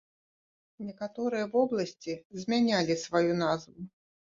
Некаторыя вобласці змянялі сваю назву.